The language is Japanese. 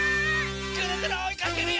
ぐるぐるおいかけるよ！